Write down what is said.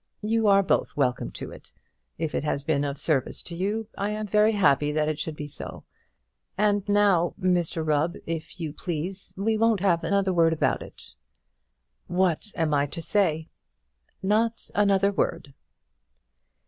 You are both welcome to it. If it has been of service to you, I am very happy that it should be so. And now, Mr Rubb, if you please, we won't have another word about it." "What am I to say?" "Not another word."